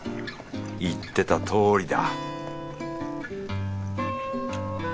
言ってたとおりだ